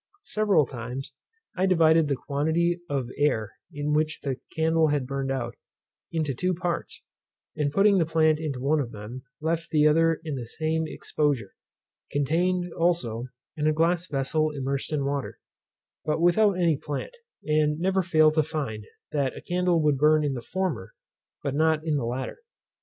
Several times I divided the quantity of air in which the candle had burned out, into two parts, and putting the plant into one of them, left the other in the same exposure, contained, also, in a glass vessel immersed in water, but without any plant; and never failed to find, that a candle would burn in the former, but not in the latter.